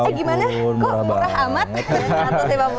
eh gimana kok murah amat